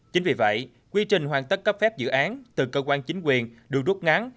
chính vì vậy quy trình hoàn tất cấp phép dự án từ cơ quan chính quyền được rút ngắn